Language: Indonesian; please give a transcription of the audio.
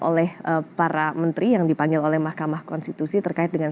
oleh para menteri yang dipanggil oleh mahkamah konstitusi terkait dengan